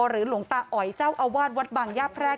หรือหลวงตาออยเจ้าอวาดวัดบังยาแพรก